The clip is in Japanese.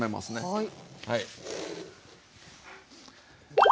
はい。